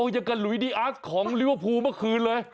อย่างกับหลุยดีอาร์ตของลิเวอร์พูลเมื่อคืนเลย